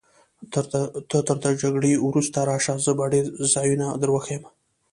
ته تر جګړې وروسته راشه، زه به ډېر ځایونه در وښیم.